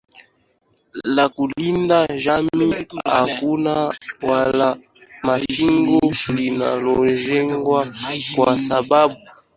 la kulinda jamii Hakuna ua la mifugo linalojengwa kwa sababu wapiganaji hawana ngombe wala